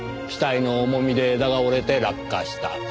死体の重みで枝が折れて落下した。